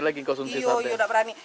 iya nggak berani